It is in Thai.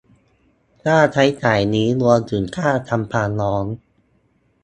ค่าใช้จ่ายนี้รวมถึงค่าทำความร้อน